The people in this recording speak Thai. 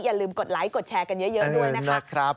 อย่าลืมกดไลค์กดแชร์กันเยอะด้วยนะคะ